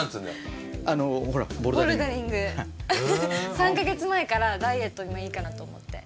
３か月前からダイエットにもいいかなと思って。